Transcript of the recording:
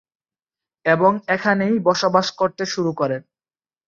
এবং এখানেই বসবাস করতে শুরু করেন।